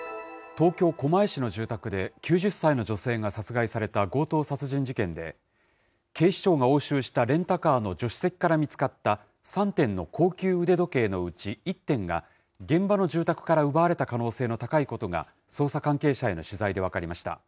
東京・狛江市の住宅で、９０歳の女性が殺害された強盗殺人事件で、警視庁が押収したレンタカーの助手席から見つかった、３点の高級腕時計のうち１点が、現場の住宅から奪われた可能性の高いことが、捜査関係者への取材で分かりました。